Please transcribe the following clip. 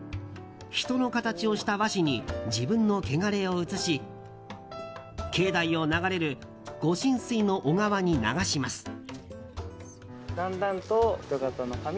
人の形をした和紙に自分のけがれを移し境内を流れるご神水の小川に流します。